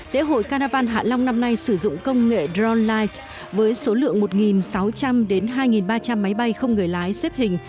lễ hội căn đà vàn hạ long năm nay sử dụng công nghệ drone light với số lượng một sáu trăm linh đến hai ba trăm linh máy bay không người lái xếp hình